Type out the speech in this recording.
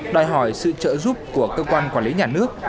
đòi hỏi sự trợ giúp của cơ quan quản lý nhà nước